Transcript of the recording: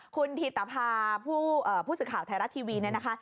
คุณธิตภาพูดสื่อข่าวไทยรัฐทีวีนะคะ